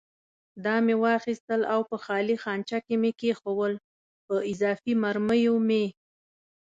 دا مې واخیستل او په خالي خانچه کې مې کېښوول، په اضافي مرمیو مې.